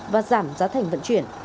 và giảm giá thành vận chuyển